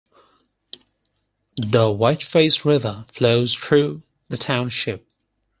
The Whiteface River flows through the township.